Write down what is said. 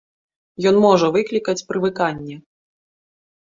Ён можа выклікаць прывыканне.